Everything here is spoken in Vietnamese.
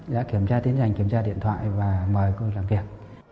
đã kiểm tra tính ảnh kiểm tra điện thoại và mời cô làm việc